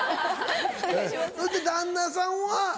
そして旦那さんは？